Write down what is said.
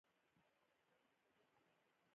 زده کړه نجونو ته د پروټین اهمیت ښيي.